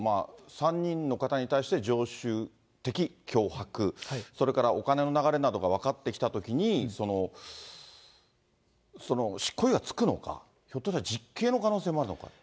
３人の方に対して常習的脅迫、それからお金の流れなどが分かってきたときに、執行猶予が付くのか、ひょっとしたら実刑の可能性もあるのか。